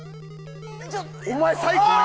お前最高や！